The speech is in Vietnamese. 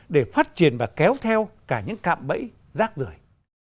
để phát triển và kéo theo cả những cạm bẫy rác rưỡi